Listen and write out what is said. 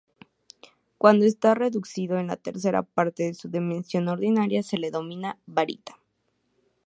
Cuando está reducido a una tercera parte de su dimensión ordinaria, se denomina "varita".